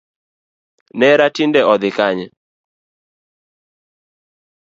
Nera tinde odhi Kanye?